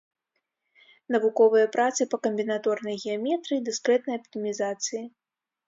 Навуковыя працы па камбінаторнай геаметрыі, дыскрэтнай аптымізацыі.